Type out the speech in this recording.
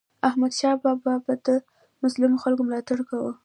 احمدشاه بابا به د مظلومو خلکو ملاتړ کاوه.